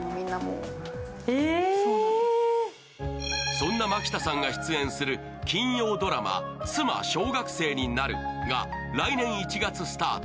そんな蒔田さんが出演する金曜ドラマ「妻、小学生になる」が来年１月スタート。